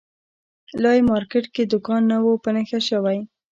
لا یې مارکېټ کې دوکان نه وو په نښه شوی.